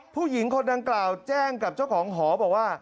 ผู้หญิงคนดังกล่าวแจ้งกับเจ้าของหอบอกว่า